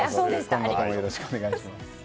今後ともよろしくお願いします。